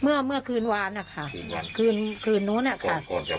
เมื่อเมื่อคืนวานอ่ะค่ะคืนวันคืนนู้นอ่ะค่ะ